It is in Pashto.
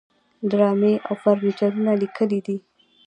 ډرامې او فيچرونه ليکلي دي